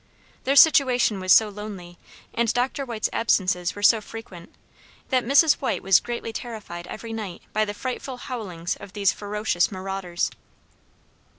Their situation was so lonely, and Doctor White's absences were so frequent, that Mrs. White was greatly terrified every night by the frightful howlings of these ferocious marauders.